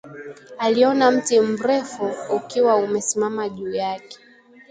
Aliona mti mrefu ukiwa umesimama juu yake